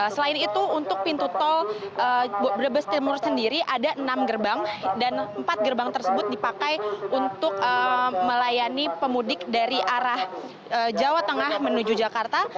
selain itu untuk pintu tol brebes timur sendiri ada enam gerbang dan empat gerbang tersebut dipakai untuk melayani pemudik dari arah jawa tengah menuju jakarta